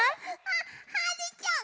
あっはるちゃん！